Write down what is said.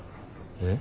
えっ？